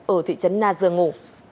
ở thị trấn na dương ngủ